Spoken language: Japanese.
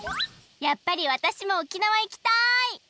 やっぱりわたしも沖縄いきたい！